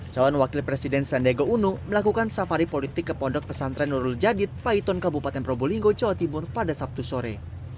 calon wakil presiden sandego uno melakukan safari politik ke pondok pesantren nurul jadid paiton kabupaten probolinggo jawa timur pada sabtu sore